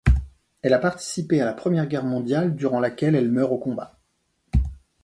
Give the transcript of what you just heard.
Elle a participé à la Première Guerre mondiale, durant laquelle elle meurt au combat.